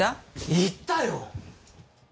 言ったよ！